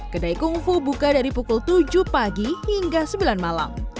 kedai kungfu buka dari pukul tujuh pagi hingga sembilan malam